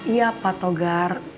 iya pak togar